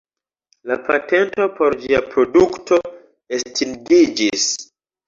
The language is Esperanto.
La patento por ĝia produkto estingiĝis.